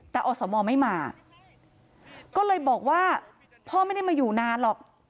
แต่อสมไม่มาก็เลยบอกว่าพ่อไม่ได้มาอยู่นานหรอก